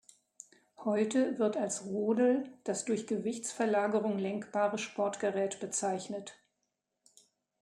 Heute wird als Rodel das durch Gewichtsverlagerung lenkbare Sportgerät bezeichnet.